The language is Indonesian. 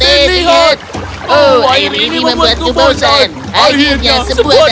oh air ini membuatku bosan akhirnya sebuah daratan